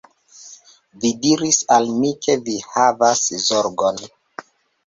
Vi diris al mi ke vi havas zorgon